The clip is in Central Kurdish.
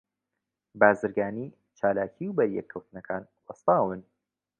بازرگانی، چالاکی، و بەریەک کەوتنەکان وەستاون